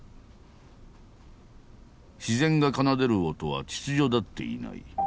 自然が奏でる音は秩序立っていない。